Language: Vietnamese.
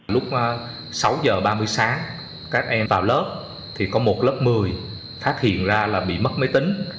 lúc sáu giờ ba mươi sáng các em vào lớp thì có một lớp một mươi phát hiện ra là bị mất máy tính